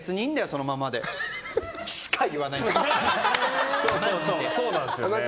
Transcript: そのままでしか言わないんですよ。